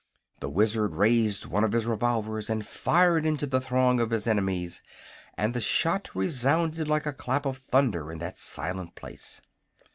The Wizard raised one of his revolvers and fired into the throng of his enemies, and the shot resounded like a clap of thunder in that silent place.